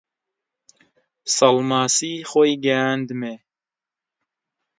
سەڵماسی خۆی گەیاندمێ